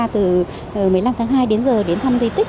từ một mươi năm tháng hai đến giờ đến thăm di tích